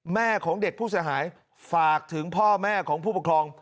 แม่ของเด็กผู้เสียหายฝากถึงพ่อแม่ของผู้ปกครอง